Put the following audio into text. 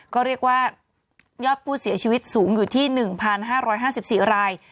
ก็เรียกว่ายอดผู้เสียชีวิตสูงอยู่ที่๑๕๕๔ราย